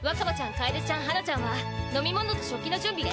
かえでちゃんはなちゃんは飲み物と食器の準備ね！